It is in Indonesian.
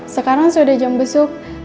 sekarang sudah jam besuk